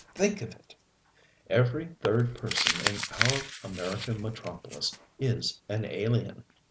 Think of it! Every third person in our American metropolis is an alien.